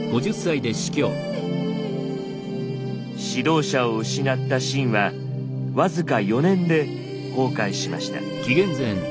指導者を失った秦は僅か４年で崩壊しました。